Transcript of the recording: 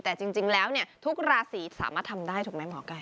แต่จริงแล้วทุกราศีสามารถทำได้ถูกไหมหมอไก่